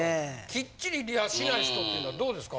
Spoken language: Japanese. きっちりリハしない人ってどうですか？